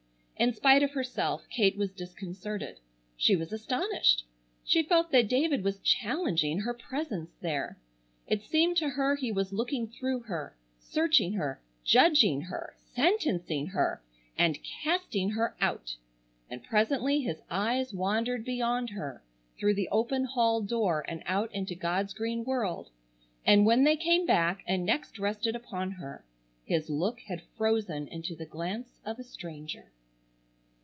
In spite of herself Kate was disconcerted. She was astonished. She felt that David was challenging her presence there. It seemed to her he was looking through her, searching her, judging her, sentencing her, and casting her out, and presently his eyes wandered beyond her through the open hall door and out into God's green world; and when they came back and next rested upon her his look had frozen into the glance of a stranger.